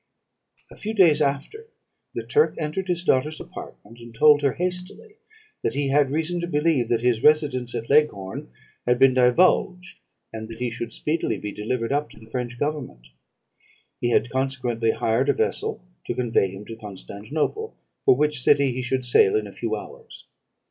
"A few days after, the Turk entered his daughter's apartment, and told her hastily, that he had reason to believe that his residence at Leghorn had been divulged, and that he should speedily be delivered up to the French government; he had, consequently hired a vessel to convey him to Constantinople, for which city he should sail in a few hours.